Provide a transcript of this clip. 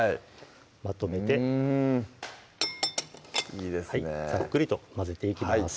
まとめてうんいいですねざっくりと混ぜていきます